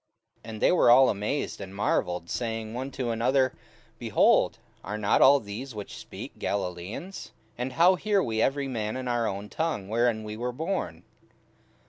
44:002:007 And they were all amazed and marvelled, saying one to another, Behold, are not all these which speak Galilaeans? 44:002:008 And how hear we every man in our own tongue, wherein we were born?